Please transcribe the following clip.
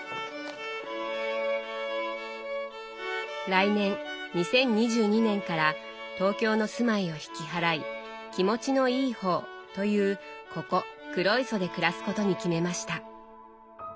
来年２０２２年から東京の住まいを引き払い「気持ちのいい方」というここ黒磯で暮らすことに決めました。